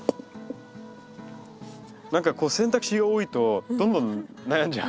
何か選択肢が多いとどんどん悩んじゃう。